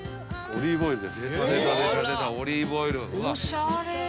オリーブオイル。